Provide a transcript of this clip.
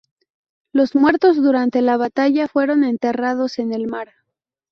Los muertos durante la batalla fueron enterrados en el mar.